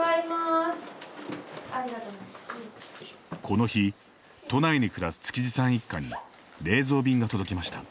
この日、都内に暮らす築地さん一家に冷蔵便が届きました。